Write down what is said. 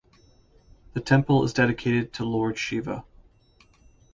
The temple is dedicated to Lord Shiva.